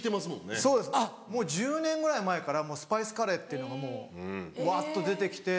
そうですもう１０年ぐらい前からスパイスカレーっていうのがもううわっと出て来て。